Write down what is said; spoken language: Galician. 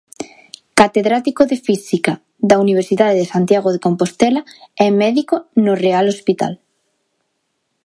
Catedrático de Física da Universidade de Santiago de Compostela e médico no Real Hospital.